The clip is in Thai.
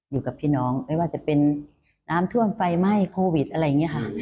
อยู่กับพี่น้องไม่ว่าจะเป็นน้ำท่วมไฟไหม้โควิดอะไรอย่างนี้ค่ะ